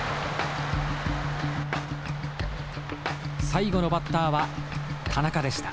最後のバッターは田中でした。